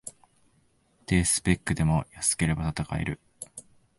低スペックでも安ければ戦える